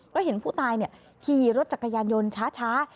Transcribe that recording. ก็เห็นผู้ตายขี่รถจักรยานยนต์ช้า